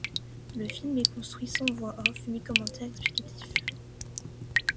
Le film est construit sans voix off, ni commentaire explicatif.